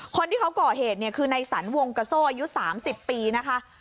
คนที่เขาก่อเหตุเนี่ยคือในสรรวงกระโซ่อายุ๓๐ปีนะคะ